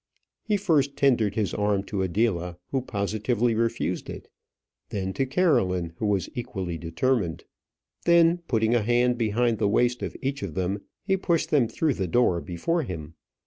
He first tendered his arm to Adela, who positively refused it; then to Caroline, who was equally determined. Then, putting a hand behind the waist of each of them, he pushed them through the door before him.